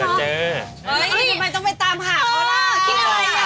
แล้วทำไมต้องไปตามหาเขาละ